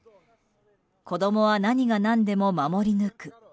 子供は何が何でも守り抜く。